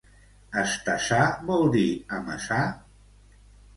Estassar vol dir amassar?